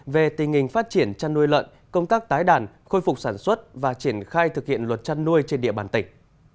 về tình hình phát triển chăn nuôi lợn công tác tái đàn khôi phục sản xuất và triển khai thực hiện luật chăn nuôi trên địa bàn tỉnh